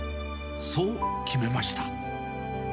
そう決めました。